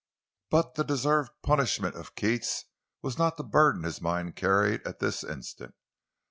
But the deserved punishment of Keats was not the burden his mind carried at this instant.